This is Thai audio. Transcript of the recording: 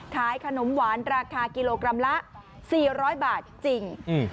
ขายขนมหวานราคากิโลกรัมละ๔๐๐บาทจริง